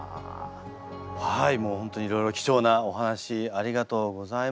はいもう本当にいろいろ貴重なお話ありがとうございました。